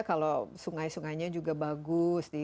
kalau sungai sungainya juga bagus